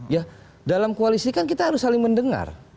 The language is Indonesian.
ya dalam koalisi kan kita harus saling mendengar